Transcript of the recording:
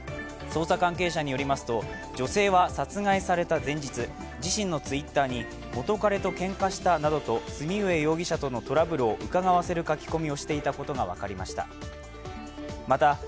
捜査関係者によりますと、女性は殺害された前日、自身のＴｗｉｔｔｅｒに、元彼とけんかしたなどと末海容疑者とのトラブルをうかがわせる書き込みをしていたことが分かりました。